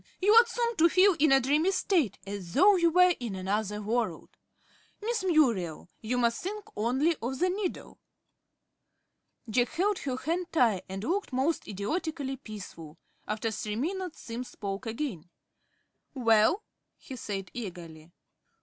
You ought soon to feel in a dreamy state, as though you were in another world. Miss Muriel, you must think only of the needle." Jack held her hand tight, and looked most idiotically peaceful. After three minutes Simms spoke again. "Well?" he said, eagerly.